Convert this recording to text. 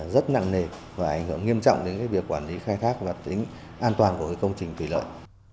rất nặng nề và ảnh hưởng nghiêm trọng đến việc quản lý khai thác và tính an toàn của công trình thủy lợi